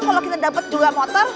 kalau kita dapat dua motor